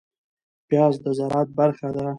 پياز د زراعت برخه ده